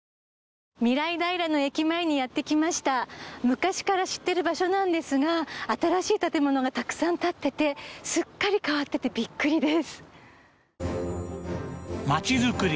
昔から知ってる場所なんですが新しい建物がたくさん建っててすっかり変わっててびっくりです